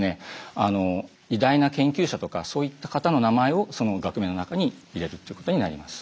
偉大な研究者とかそういった方の名前をその学名の中に入れるっていうことになります。